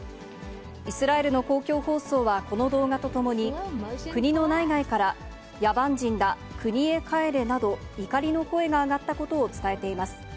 イスラエルの公共放送はこの動画とともに、国の内外から野蛮人だ、国へ帰れなど、怒りの声が上がったことを伝えています。